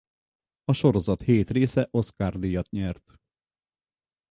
A sorozat hét része Oscar-díjat nyert.